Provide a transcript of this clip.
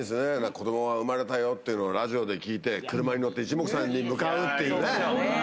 子どもが生まれたよっていうのをラジオで聞いて、車に乗っていちもくさんに向かうっていうね。